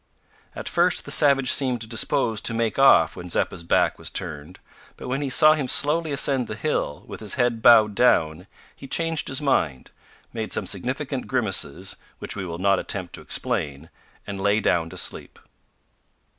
At first the savage seemed disposed to make off when Zeppa's back was turned, but when he saw him slowly ascend the hill with his head bowed down he changed his mind, made some significant grimaces which we will not attempt to explain and lay down to sleep.